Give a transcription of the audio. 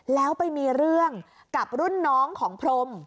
แล้วไปมีเรื่องกับรุ่นน้องของพรม